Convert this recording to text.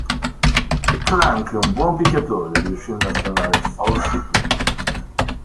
Clank è un buon picchiatore, riuscendo a sferrare forti pugni.